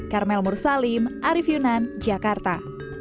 karmel mursalim arief yunan jakarta